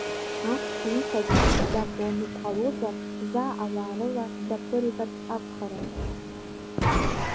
Ахәшә ииҭаз дакуаны дҟалозар заа ауаа рыла даԥыригарц акәхарын.